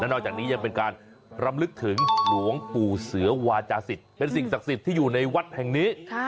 นอกจากนี้ยังเป็นการรำลึกถึงหลวงปู่เสือวาจาศิษย์เป็นสิ่งศักดิ์สิทธิ์ที่อยู่ในวัดแห่งนี้